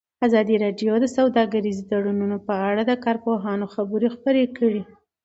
ازادي راډیو د سوداګریز تړونونه په اړه د کارپوهانو خبرې خپرې کړي.